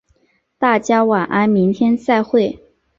大家晚安，明天再会。